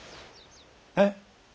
えっ？